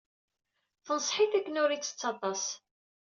Tenṣeḥ-it akken ur ittett aṭas.